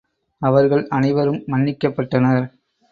அவர்கள் அனைவரும் மன்னிக்கப்பட்டனர்.